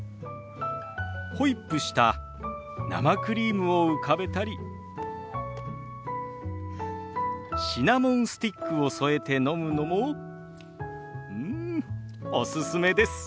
ホイップした生クリームを浮かべたりシナモンスティックを添えて飲むのもうんおすすめです。